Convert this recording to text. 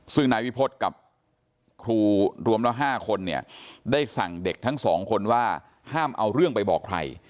ซึ่งนายวิพฤษกับครูรวมแล้ว๕คนเนี่ยได้สั่งเด็กทั้งสองคนว่าห้ามเอาเรื่องไปบอกใคร